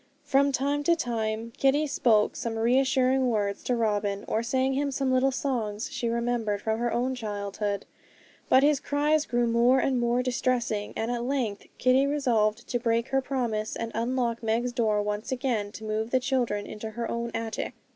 From time to time Kitty spoke some reassuring words to Robin, or sang him some little songs she remembered from her own childhood; but his cries grew more and more distressing, and at length Kitty resolved to break her promise, and unlock Meg's door once again to move the children into her own attic.